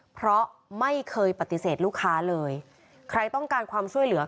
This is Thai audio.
เพราะไม่เคยปฏิเสธลูกค้าเลยใครต้องการความช่วยเหลือ